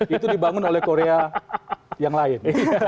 itu dibangun oleh korea yang lain